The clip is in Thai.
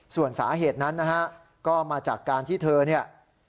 ส่วนสาเหตุนั้นนะฮะก็มาจากการที่เธอเนี่ย